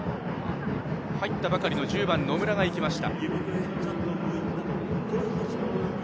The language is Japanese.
入ったばかりの１０番、野村が行きました。